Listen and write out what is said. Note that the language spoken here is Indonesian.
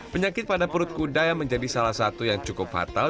penyakit pada perut kuda yang menjadi salah satu yang cukup fatal